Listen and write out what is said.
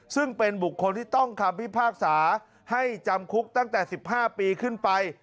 ซึ่งเป็นบุคคลที่ต้องคำพิพากษาให้จำคุกตั้งแต่๑๕ปีขึ้นไป